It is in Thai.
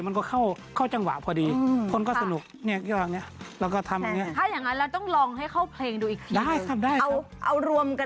เป็นค่ายากเวียนหวก็ต้องอ้อนปาก